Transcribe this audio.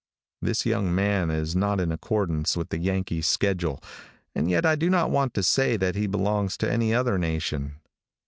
This young man is not in accordance with the Yankee schedule, and yet I do not want to say that he belongs to any other nation.